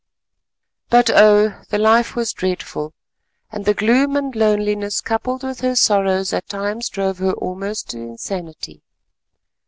But, oh! the life was dreadful, and the gloom and loneliness coupled with her sorrows at times drove her almost to insanity.